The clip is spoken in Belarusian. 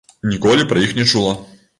Ніколі пра іх не чула.